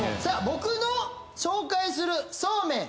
僕の紹介するそうめん